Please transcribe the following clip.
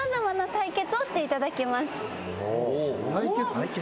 対決？